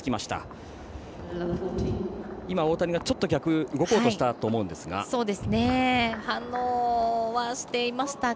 大谷がちょっと逆に動こうとしたと思うんですが。